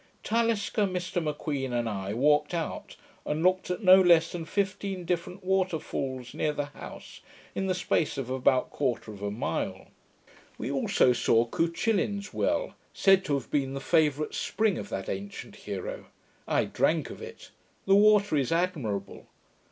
Talisker, Mr M'Queen, and I, walked out, and looked at no less than fifteen different waterfalls near the house, in the space of about a quarter of a mile. We also saw Cuchullin's well, said to have been the favourite spring of that ancient hero. I drank of it. The water is admirable.